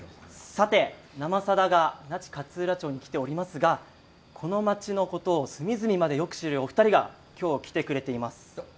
さて「生さだ」が那智勝浦町にきておりますがこの町のことを隅々までよく知るお二人が今日来てくれています。